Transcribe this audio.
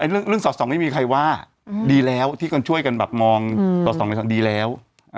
เรื่องสอดส่องไม่มีใครว่าดีแล้วที่คนช่วยกันแบบมองสอดส่องในทางดีแล้ว